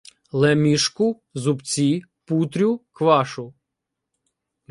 Лемішку, зубці, путрю, квашу